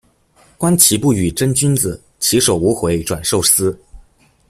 觀棋不語真君子，起手無回轉壽司